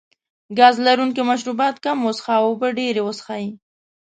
ګاز لرونکي مشروبات کم وڅښه او اوبه ډېرې وڅښئ.